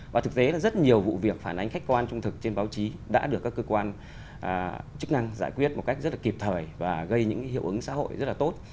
và thực tế là rất nhiều vụ việc phản ánh khách quan trung thực trên báo chí đã được các cơ quan chức năng giải quyết một cách rất là kịp thời và gây những hiệu ứng xã hội rất là tốt